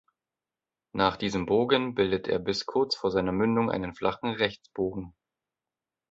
Nach diesem Bogen bildet er bis kurz vor seiner Mündung einen flachen Rechtsbogen.